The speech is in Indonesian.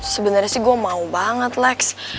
sebenarnya sih gue mau banget lex